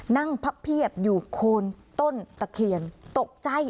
พับเพียบอยู่โคนต้นตะเคียนตกใจ